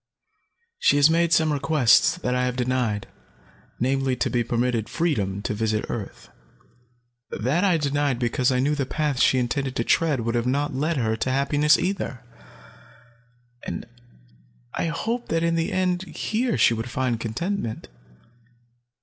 She has made some requests that I have denied, namely, to be permitted freedom to visit earth. That I denied because I knew the paths she intended to tread would not have led her to happiness either, and I hoped that in the end, here she would find contentment.